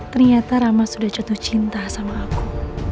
ternyata rama sudah jatuh cinta sama aku